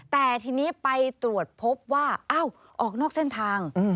แต่ทีนี้ไปตรวจพบว่าอ้าวออกนอกเส้นทาง